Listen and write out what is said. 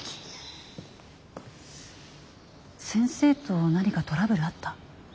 先生と何かトラブルあった？